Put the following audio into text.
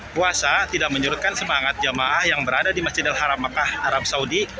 puasa tidak menyurutkan semangat jamaah yang berada di masjidil haram makkah arab saudi